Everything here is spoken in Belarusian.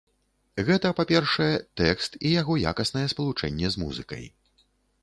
Гэта, па-першае, тэкст і яго якаснае спалучэнне з музыкай.